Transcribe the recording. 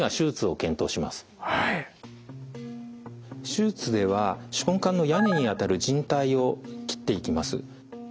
手術では手根管の屋根にあたる靭帯を切っていきます。